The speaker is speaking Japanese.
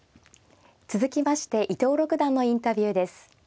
続きまして伊藤六段のインタビューです。